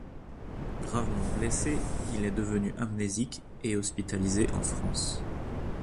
Gravement blessé, il est devenu amnésique et hospitalisé en France.